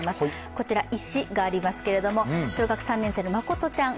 こちら、石がありますけど小学３年生のまことちゃん。